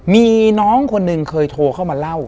มีน้องคนหนึ่งเคยโทรเข้ามาเล่า